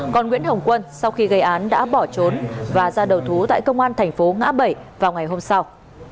còn nguyễn hồng quân sau khi gây án đã bỏ trốn và ra đầu thú tại công an thành phố ngã bảy vào ngày hôm sau